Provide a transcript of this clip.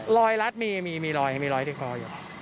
รัดมีรอยมีรอยที่คออยู่